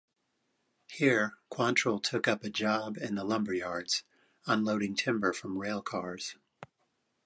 Here, Quantrill took up a job in the lumberyards, unloading timber from rail cars.